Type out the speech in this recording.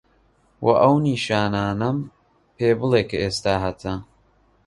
وە ئەو نیشانانەم پێ بلێ کە ئێستا هەتە؟